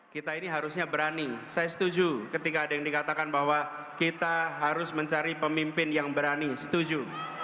kita ini harusnya berani saya setuju ketika ada yang dikatakan bahwa kita harus mencari pemimpin yang berani setuju